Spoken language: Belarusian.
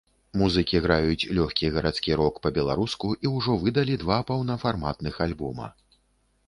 Музыкі граюць лёгкі гарадскі рок па-беларуску і ўжо выдалі два паўнафарматных альбома.